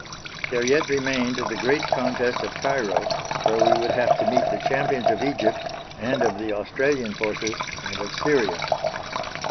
There yet remained the great contest at Cairo, where we would have to meet the champions of Egypt, and of the Australian forces, and of Syria.